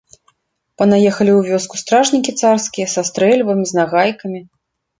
Панаехалі ў вёску стражнікі царскія, са стрэльбамі, з нагайкамі.